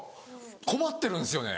困ってるんですよね。